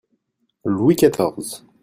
Louis XIV.